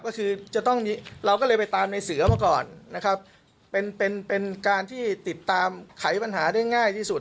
เราก็เลยไปตามในเสือมาก่อนนะครับเป็นการที่ติดตามไขปัญหาได้ง่ายที่สุด